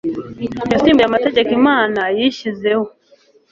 yasimbuye amategeko Imana yishyizeho.